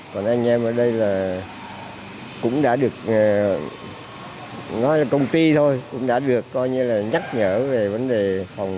còn anh em ở đây là cũng đã được nói là công ty thôi cũng đã được coi như là nhắc nhở về vấn đề phòng